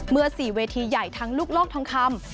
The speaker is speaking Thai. ๔เวทีใหญ่ทั้งลูกโลกทองคำ